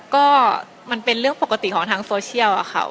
ก็มันเป็นเรื่องปกติของทางทาง